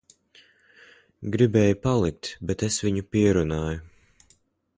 Gribēja palikt, bet es viņu pierunāju.